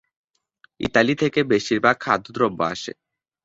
Italy থেকে বেশির ভাগ খাদ্যদ্রব্য আসে।